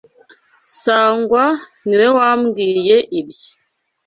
Sangwa niwe wambwiye ibyo.